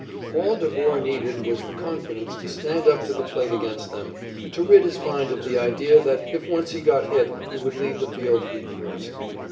All Devore needed was the confidence to stand up to the plate against them, to rid his mind of the idea that, if once he got hit, he would leave the field feet first.